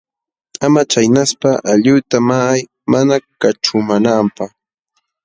Ama chaynaspa allquyta maqay mana kaćhumaananpaq.